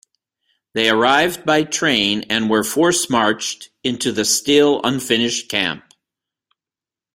They arrived by train and were force-marched into the still-unfinished camp.